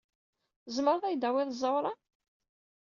Tzemreḍ ad yi-d-tawiḍ ẓẓawra?